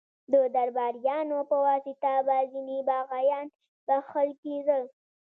د درباریانو په واسطه به ځینې باغیان بخښل کېدل.